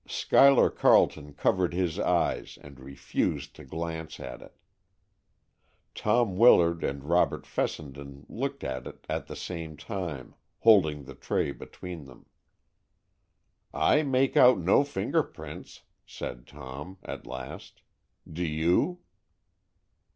Schuyler Carleton covered his eyes, and refused to glance at it. Tom Willard and Robert Fessenden looked at it at the same time, holding the tray between them. "I make out no finger prints," said Tom, at last. "Do you?"